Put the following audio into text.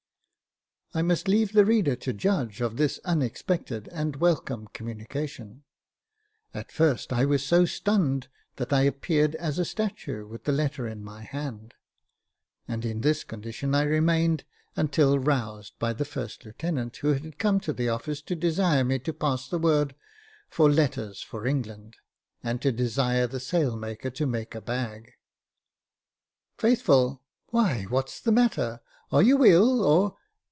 '" I must leave the reader to judge of this unexpected and welcome communication. At first I was so stunned that I appeared as a statue with the letter in my hand, and in this condition I remained until roused by the first lieutenant, who had come to the office to desire me to pass the word for " letters for England," and to desire the sail maker to make a bag. " Faithful — why what's the matter ? Are you ill, or